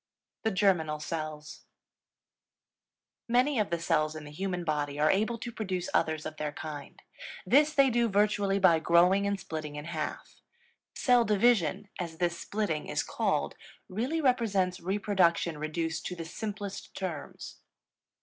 THE GERMINAL CELLS. Many of the cells in the human body are able to produce others of their kind. This they do virtually by growing and splitting in half; cell division, as this splitting is called, really represents reproduction reduced to the simplest terms.